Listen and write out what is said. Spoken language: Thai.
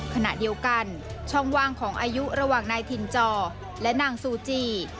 ขณะเดียวกันช่องว่างของอายุระหว่างนายถิ่นจอและนางซูจี